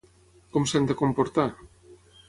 Com s'han de comportar?